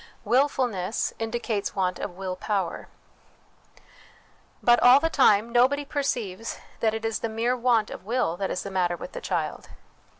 Wilfulness indicates want of Will Power. But, all the time, nobody perceives that it is the mere want of will that is the matter with the child.